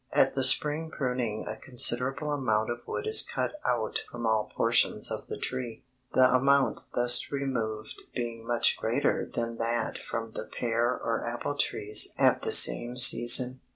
At the spring pruning a considerable amount of wood is cut out from all portions of the tree, the amount thus removed being much greater than that from the pear or apple trees at the same season.